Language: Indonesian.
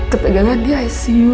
ketegangan di icu